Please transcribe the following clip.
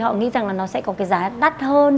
họ nghĩ rằng là nó sẽ có cái giá đắt hơn